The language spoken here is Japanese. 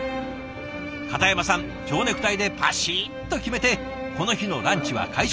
片山さんちょうネクタイでパシッと決めてこの日のランチは会食。